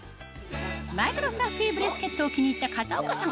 マイクロフラッフィーブレスケットを気に入った片岡さん